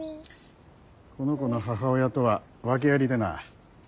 この子の母親とは訳ありでな。